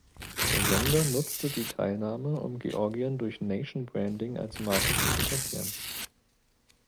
Der Sender nutzte die Teilnahme, um Georgien durch Nation Branding als Marke zu etablieren.